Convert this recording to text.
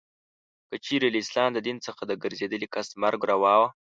که چیري له اسلام د دین څخه د ګرځېدلې کس مرګ روا.